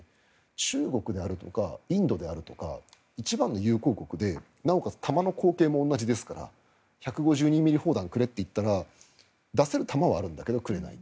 中国とかインドであるとか一番の友好国でなおかつ弾の口径も同じですから１５２ミリ砲弾をくれって言ったら出せる弾はあるんだけどくれない。